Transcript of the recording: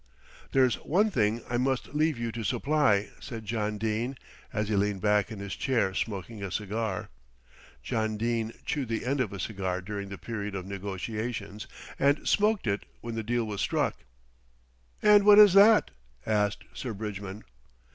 "There's one thing I must leave you to supply," said John Dene, as he leaned back in his chair smoking a cigar. John Dene chewed the end of a cigar during the period of negotiations, and smoked it when the deal was struck. "And what is that?" asked Sir Bridgman.